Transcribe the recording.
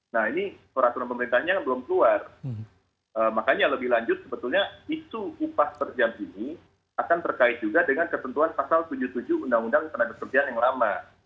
nah ini peraturan pemerintahnya belum keluar makanya lebih lanjut sebetulnya isu upah per jam ini akan terkait juga dengan ketentuan pasal tujuh puluh tujuh undang undang tenaga kerjaan yang lama